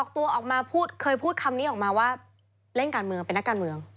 ตัวออกมาพูดเคยพูดคำนี้ออกมาว่าเล่นการเมืองเป็นนักการเมือง